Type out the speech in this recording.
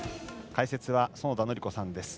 解説は園田教子さんです。